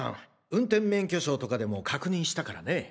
運転免許証とかでも確認したからね。